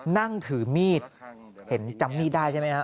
นั่งถือมีด